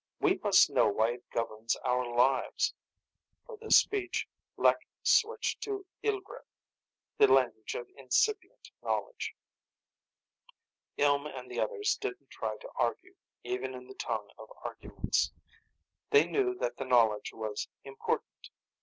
We must know why it governs our lives." For this speech Lek switched to Ilgret, the language of incipient knowledge. Ilm and the others didn't try to argue, even in the tongue of arguments. They knew that the knowledge was important.